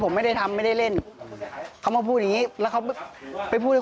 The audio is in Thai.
ผมไม่ได้ทำไม่ได้เล่นเขามาพูดอย่างงี้แล้วเขาไปพูดเรื่อง